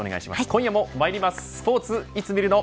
今夜もまいりますスポーツ、いつ見るの。